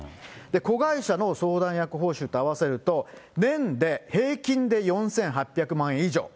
子会社の相談役報酬を合わせると、年で平均で４８００万円以上。